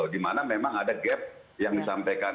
dimana memang ada gap yang disampaikan